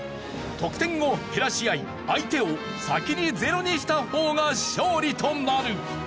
得点を減らし合い相手を先にゼロにした方が勝利となる！